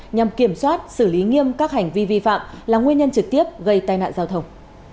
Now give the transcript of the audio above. nhằm kiểm soát xử lý nghiêm các hành vi vi phạm là nguyên nhân trực tiếp gây tai nạn giao thông